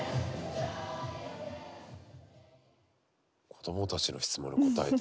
子供たちの質問に答えて。